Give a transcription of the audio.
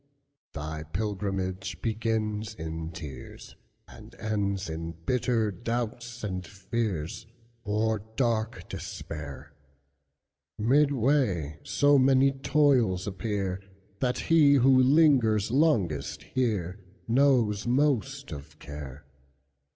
Thy pilgrimage begins in tears, And ends in bitter doubts and fears, Or dark despair; Midway so many toils appear, That he who lingers longest hereKnows most of care.